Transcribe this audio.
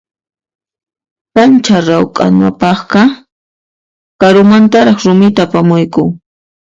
Kancha rawkhanapaqqa karumantaraq rumita apamuyku.